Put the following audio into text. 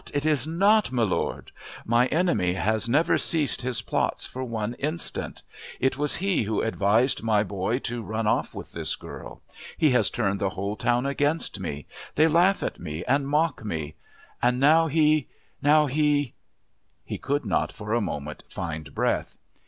It is not, my lord! My enemy has never ceased his plots for one instant. It was he who advised my boy to run off with this girl. He has turned the whole town against me; they laugh at me and mock me! And now he...now he..." He could not for a moment find breath.